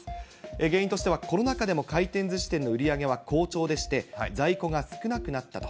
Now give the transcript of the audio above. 原因としてはコロナ禍でも回転ずし店の売り上げは好調でして、在庫が少なくなったと。